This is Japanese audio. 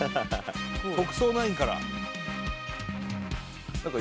『特捜９』から。